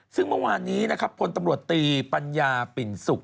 ซึ่งเมื่อวานนี้นะครับพลตำรวจตีปัญญาปิ่นสุข